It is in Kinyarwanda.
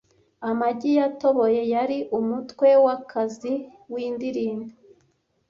Amagi yatoboye yari umutwe wakazi w'indirimbo